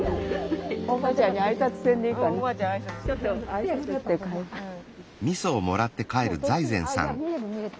あっ見える見える。